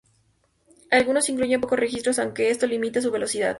Algunos incluyen pocos registros, aunque esto limita su velocidad.